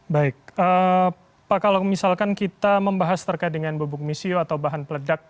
baik pak kalau misalkan kita membahas terkait dengan bubuk misio atau bahan peledak